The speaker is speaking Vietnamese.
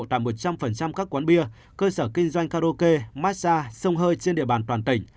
tại một trăm linh các quán bia cơ sở kinh doanh karaoke massage sông hơi trên địa bàn toàn tỉnh